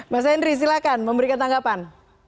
mas henry silahkan memberikan tanggapan